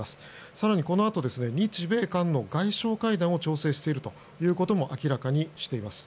更にこのあと日米韓の外相会談を調整しているということも明らかにしています。